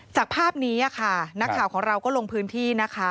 จากภาพนี้ค่ะนักข่าวของเราก็ลงพื้นที่นะคะ